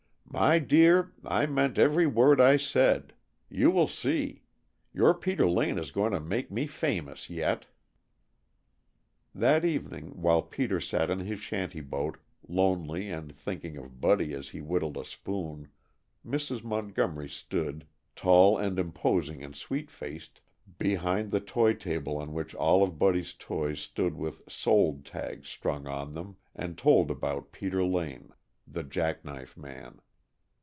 "My dear, I meant every word I said. You will see! Your Peter Lane is going to make me famous yet!" That evening, while Peter sat in his shanty boat, lonely and thinking of Buddy as he whittled a spoon, Mrs. Montgomery stood, tall and imposing and sweet faced, behind the toy table on which all of Buddy's toys stood with "Sold" tags strung on them, and told about Peter Lane, the Jack knife Man.